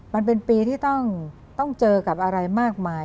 มันเป็นปีที่ต้องเจอกับอะไรมากมาย